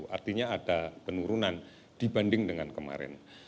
artinya ada penurunan dibanding dengan kemarin